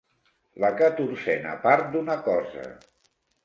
La catorzena part d'una cosa.